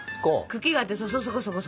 茎があってそうそこそこ。